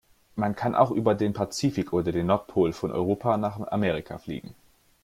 Man kann auch über den Pazifik oder den Nordpol von Europa nach Amerika fliegen.